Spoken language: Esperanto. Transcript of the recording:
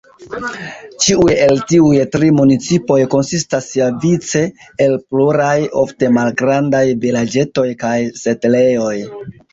Ĉiuj el tiuj tri municipoj konsistas siavice el pluraj ofte malgrandaj vilaĝetoj kaj setlejoj.